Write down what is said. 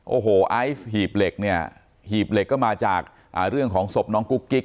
โอ้โหไอซ์หีบเหล็กเนี่ยหีบเหล็กก็มาจากเรื่องของศพน้องกุ๊กกิ๊ก